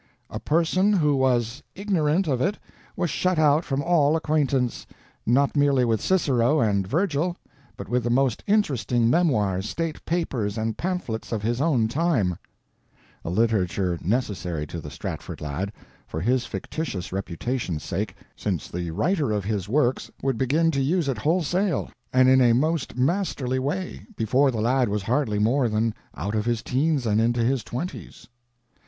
"A person who was ignorant of it was shut out from all acquaintance—not merely with Cicero and Virgil, but with the most interesting memoirs, state papers, and pamphlets of his own time"—a literature necessary to the Stratford lad, for his fictitious reputation's sake, since the writer of his Works would begin to use it wholesale and in a most masterly way before the lad was hardly more than out of his teens and into his twenties.